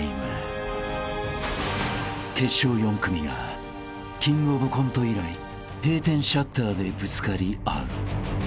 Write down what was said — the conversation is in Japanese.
［決勝４組がキングオブコント以来閉店シャッターでぶつかり合う］